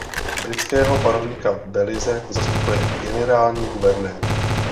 Britského panovníka v Belize zastupuje generální guvernér.